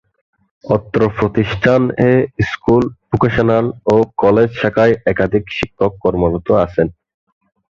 অত্র প্রতিষ্ঠান এ স্কুল, ভোকেশনাল ও কলেজ শাখায় একাধিক শিক্ষক কর্মরত আছেন।